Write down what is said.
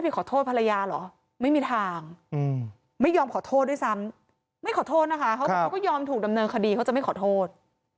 ไม่ขอโทษนะคะเขาก็ยอมถูกดำเนินคดีเขาจะไม่ขอโทษ